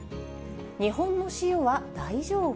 日本の塩は大丈夫？